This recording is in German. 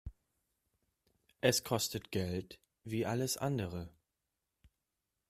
Es kostet Geld wie alles andere.